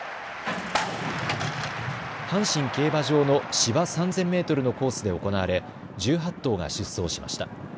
阪神競馬場の芝３０００メートルのコースで行われ１８頭が出走しました。